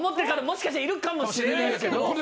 もしかしたらいるかもしれないですけど。